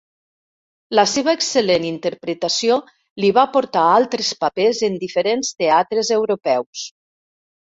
La seva excel·lent interpretació li va portar altres papers en diferents teatres europeus.